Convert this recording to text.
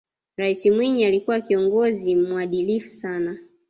raisi mwinyi alikuwa kiongozi muadilifu sana